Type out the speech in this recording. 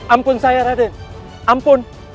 ampun saya raden ampun